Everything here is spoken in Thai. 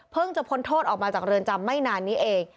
จะพ้นโทษออกมาจากเรือนจำไม่นานนี้เอง